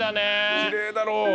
きれいだろ？